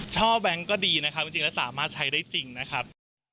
ช่อแบงค์ก็ดีนะครับจริงแล้วสามารถใช้ได้จริงนะครับ